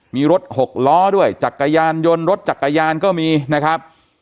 มีรถหกล้อด้วยจักรยานยนต์รถจักรยานก็มีนะครับ